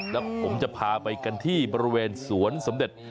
แล้วผมจะพาไปกันที่บริเวณสวนสมเด็จ